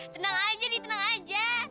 tenang aja nih tenang aja